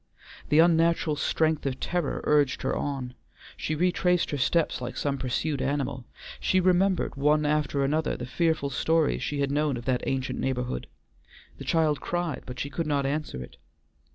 The unnatural strength of terror urged her on; she retraced her steps like some pursued animal; she remembered, one after another, the fearful stories she had known of that ancient neighborhood; the child cried, but she could not answer it.